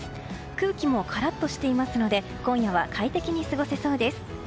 空気もカラッとしていますので今夜は快適に過ごせそうです。